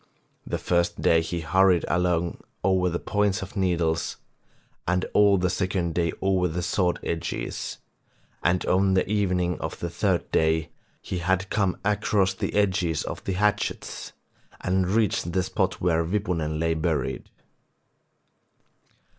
The first day he hurried along over the points of needles, and all the second day over the sword edges, and on the evening of the third day he had come across the edges of the hatchets and reached the spot where Wipunen lay buried.